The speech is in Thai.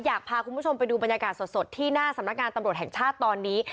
อยากพาคุณผู้ชมไปดูบรรยากาศสดที่หน้าสำนักงานตำรวจแห่งชาติตอนนี้